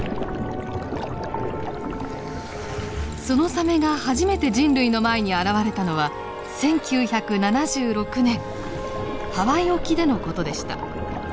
そのサメが初めて人類の前に現れたのは１９７６年ハワイ沖での事でした。